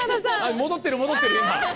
戻ってる戻ってる今。